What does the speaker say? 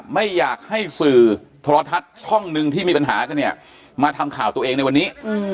ไม่อยากให้สื่อโทรทัศน์ช่องหนึ่งที่มีปัญหากันเนี่ยมาทำข่าวตัวเองในวันนี้